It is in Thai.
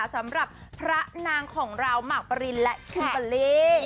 สำหรับพระนางของเราหมากประรินและคิมปะลิ